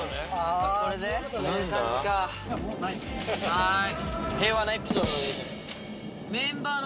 はい。